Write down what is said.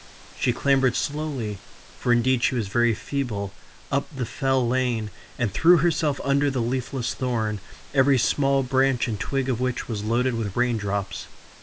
She clambered slowly (for indeed she was very feeble) up the Fell Lane, and threw herself under the leafless thorn, every small branch and twig of which was loaded with rain drops.